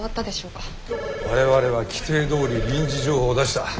我々は規定どおり臨時情報を出した。